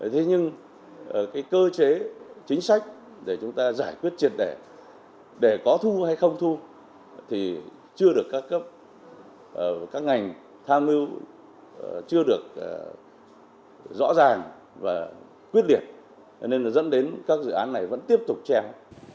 thế nhưng cái cơ chế chính sách để chúng ta giải quyết triệt đẻ để có thu hay không thu thì chưa được các cấp các ngành tham mưu chưa được rõ ràng và quyết liệt nên dẫn đến các dự án này vẫn tiếp tục treo